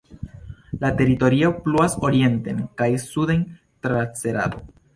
La teritorio pluas orienten kaj suden tra la Cerado.